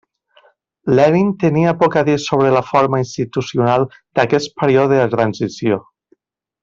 Lenin tenia poc a dir sobre la forma institucional d'aquest període de transició.